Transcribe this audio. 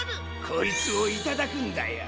こいつをいただくんだよ。